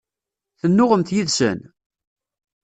Tennuɣemt yid-sen?